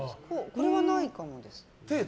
これはないかも。